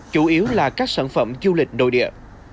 chủ yếu là các sản phẩm du lịch nội địa